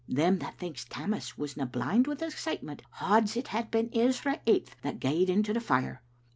Them that thinks Tammas wasna blind wi' excitement hands it had been Ezra eighth that gaed into the fire.